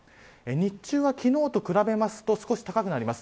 日中は、昨日と比べると少し高くなります。